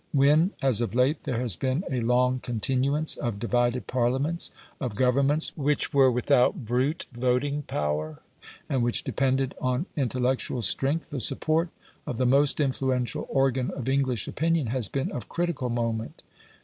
When, as of late, there has been a long continuance of divided Parliaments, of Governments which were without "brute voting power," and which depended on intellectual strength, the support of the most influential organ of English opinion has been of critical moment.